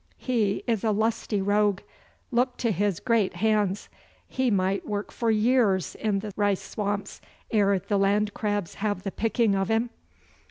He is a lusty rogue. Look to his great hands. He might work for years in the rice swamps ere the land crabs have the picking of him.